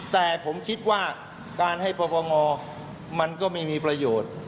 แต่ผมคิดว่าการให้ปปงมันก็ไม่มีประโยชน์